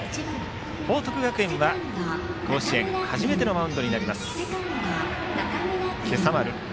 報徳学園は甲子園初めてのマウンドになります、今朝丸。